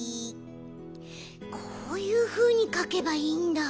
こういうふうにかけばいいんだ。